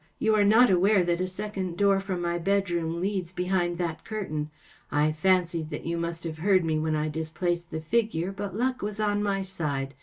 You are not aware that a second door from my bed¬ room leads behind that curtain. I fancied that you must have heard me when I dis¬ placed the figure, but luck was on my side.